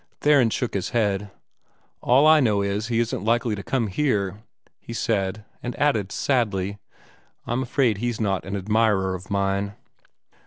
Theron shook his head. "All I know is he isn't likely to come here," he said, and added sadly, "I'm afraid he's not an admirer of mine."